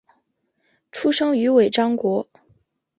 出生于尾张国。